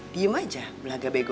diem aja belaga bego